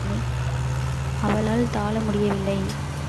அவளால் தாள முடியவில்லை.